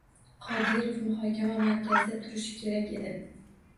Qodirov muhokama markazida turishi kerak edi.